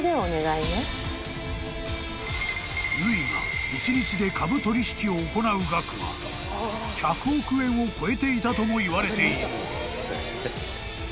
［縫が１日で株取引を行う額は１００億円を超えていたともいわれている］